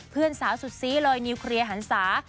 เพื่อนสาวสุดซีเลยนิวเคลียร์หันศา